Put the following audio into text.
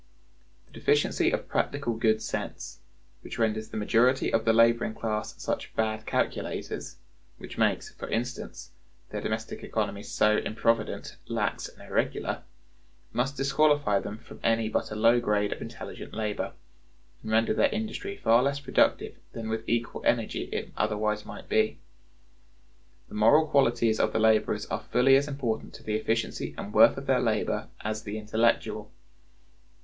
(114) The deficiency of practical good sense, which renders the majority of the laboring class such bad calculators—which makes, for instance, their domestic economy so improvident, lax, and irregular—must disqualify them for any but a low grade of intelligent labor, and render their industry far less productive than with equal energy it otherwise might be. The moral qualities of the laborers are fully as important to the efficiency and worth of their labor as the intellectual.